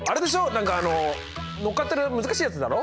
何かあの乗っかってる難しいやつだろ！？